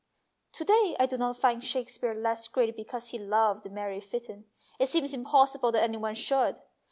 " To day I do not find Shakespeare less great because he loved Mary Fitton ; it seems impossible that any one should.